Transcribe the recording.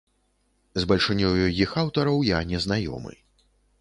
З бальшынёю іх аўтараў я не знаёмы.